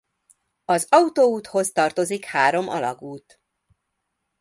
Az autóúthoz tartozik három alagút.